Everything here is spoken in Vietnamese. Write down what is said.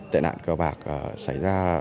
tệ nạn cờ bạc xảy ra